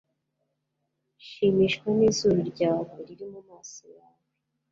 shimishwa nizuru ryawe riri mumaso yawe